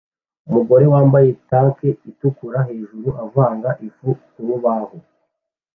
umugore wambaye tank itukura hejuru avanga ifu kurubaho